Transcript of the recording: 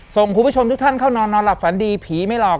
คุณผู้ชมทุกท่านเข้านอนนอนหลับฝันดีผีไม่หลอก